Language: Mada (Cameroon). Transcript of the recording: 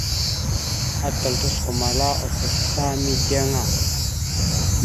Atal tosəkomala oslo asla mideŋ a.